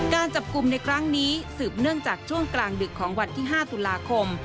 การจับกลุ่มในครั้งนี้สืบเนื่องจากช่วงกลางดึกของวันที่๕ตุลาคม